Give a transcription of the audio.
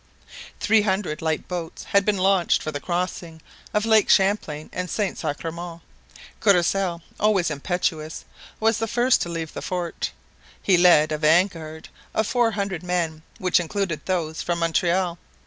Three hundred light boats had been launched for the crossing of Lakes Champlain and Saint Sacrement. Courcelle, always impetuous, was the first to leave the fort; he led a vanguard of four hundred men which included those from Montreal.